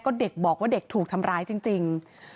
ก็เด็กบอกว่าเด็กถูกทำร้ายจริง